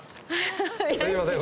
すいません。